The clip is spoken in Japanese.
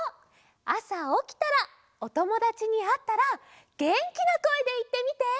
あさおきたらおともだちにあったらげんきなこえでいってみて！